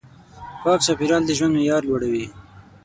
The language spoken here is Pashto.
پاک چاپېریال د ژوند معیار لوړوي.